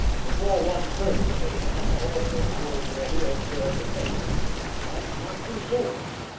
Before 1.30 A.M. all things were as ready as care could make them, and not too soon.